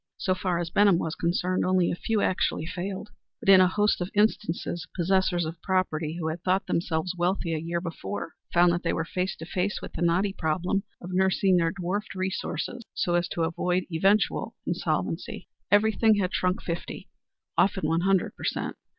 So far as Benham was concerned, only a few actually failed, but, in a host of instances, possessors of property who had thought themselves wealthy a year before found that they were face to face with the knotty problem of nursing their dwarfed resources so as to avoid eventual insolvency. Everything had shrunk fifty often one hundred per cent.